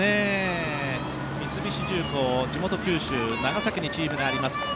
三菱重工、地元・九州長崎にチームがあります